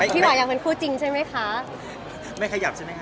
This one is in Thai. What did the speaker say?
พี่หว่าอยากเป็นคู่จินใช่ไหมคะ